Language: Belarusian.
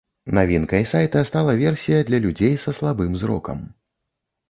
Навінкай сайта стала версія для людзей са слабым зрокам.